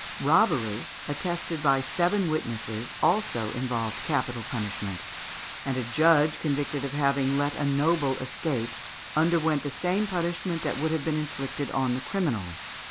Robbery, attested by seven witnesses, also involved capital punishment, and a judge convicted of having let a noble escape, underwent the same punishment that would have been inflicted on the criminal.